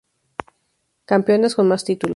Campeonas con más títulos